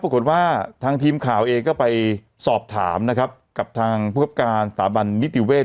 ปรากฏว่าทางทีมข่าวเองก็ไปสอบถามนะครับกับทางผู้คับการสถาบันนิติเวศ